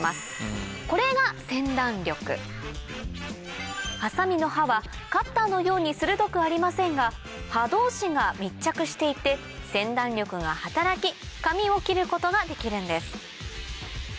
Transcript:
これがハサミの刃はカッターのように鋭くありませんが刃同士が密着していてせん断力が働き紙を切ることができるんです